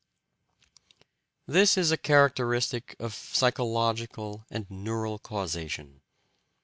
This is a characteristic of psychological and neural causation.